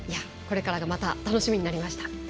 これからがまた楽しみになりました。